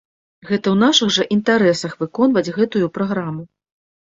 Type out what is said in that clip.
Гэта ў нашых жа інтарэсах выконваць гэтую праграму.